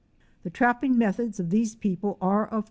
The trapping methods of these people are, of course